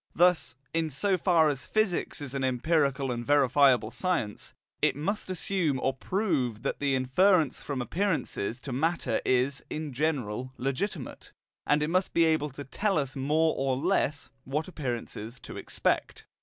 Thus, in so far as physics is an empirical and verifiable science, it must assume or prove that the inference from appearances to matter is, in general, legitimate, and it must be able to tell us, more or less, what appearances to expect.